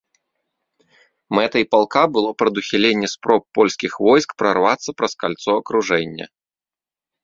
Мэтай палка было прадухіленне спроб польскіх войск прарвацца праз кальцо акружэння.